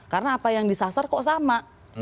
karena apa yang disasar kok sama